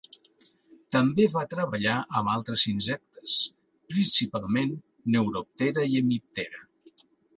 També va treballar amb altres insectes, principalment Neuroptera i Hemiptera.